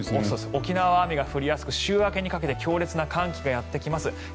沖縄は雨が降りやすく週明けにかけて強烈な寒気がやってきます。